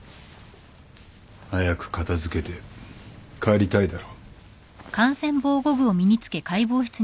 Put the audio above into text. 早く片付けて帰りたいだろ。